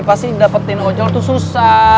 pasti dapetin ojol tuh susah